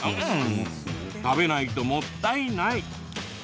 食べないともったいない！